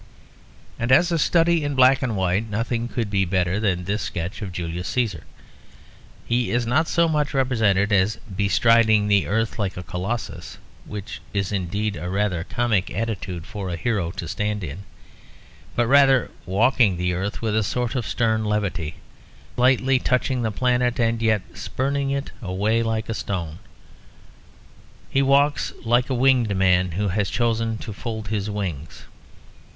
And as a study in black and white nothing could be better than this sketch of Julius Cæsar. He is not so much represented as "bestriding the earth like a Colossus" (which is indeed a rather comic attitude for a hero to stand in), but rather walking the earth with a sort of stern levity, lightly touching the planet and yet spurning it away like a stone. He walks like a winged man who has chosen to fold his wings.